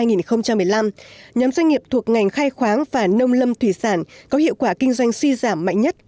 nhóm doanh nghiệp thuộc ngành khai khoáng và nông lâm thủy sản có hiệu quả kinh doanh suy giảm mạnh nhất